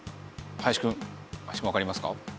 林くんわかりますか？